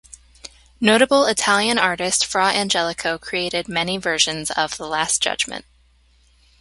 Notable Italian artist Fra Angelico created many versions of "The Last Judgement".